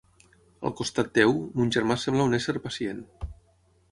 Al costat teu, mon germà sembla un ésser pacient.